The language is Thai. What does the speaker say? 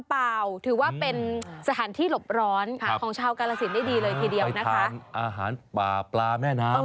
ไปทานอาหารปลาปลาแม่น้ำ